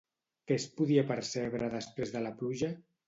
Què es podia percebre després de la pluja?